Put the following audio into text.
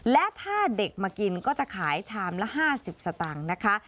และถ้าเด็กมากินก็จะขายชามละ๕๐สตางค์นะคะ